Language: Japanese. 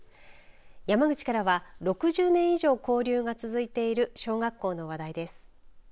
山口からは６０年以上交流が続いている小学校の話題です。